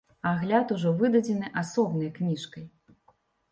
Агляд ужо выдадзены асобнай кніжкай.